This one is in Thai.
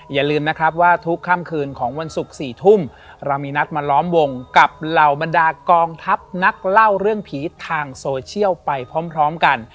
อย่าลืมนะครับว่าทุกค่ำคืนของวันศุกร์๔ทุ่มเรามีนัดมาล้อมวงกับเหล่าบรรดากองทัพนักเล่าเรื่องผีทางโซเชียลไปพร้อมกัน